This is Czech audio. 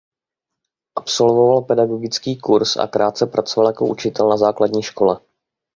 Absolvoval pedagogický kurz a krátce pracoval jako učitel na základní škole.